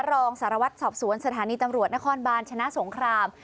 รองสารวัตรสอบสวนสถานีตำรวจนครบาลชนะสงคราม